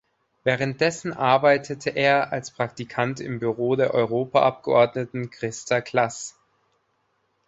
Währenddessen arbeitete er als Praktikant im Büro der Europaabgeordneten Christa Klaß.